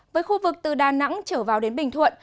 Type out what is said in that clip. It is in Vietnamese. với khu vực từ đà nẵng trở vào đến bình thuận